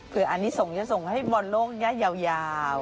เพื่ออันนี้ส่งจะส่งให้บอลโลกยาว